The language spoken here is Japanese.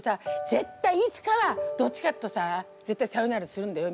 絶対いつかはどっちかとさ絶対さよならするんだよ